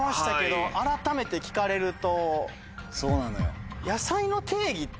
そうなのよ。